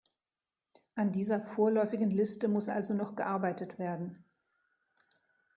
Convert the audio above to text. An dieser vorläufigen Liste muss also noch gearbeitet werden.